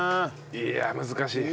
いや難しい。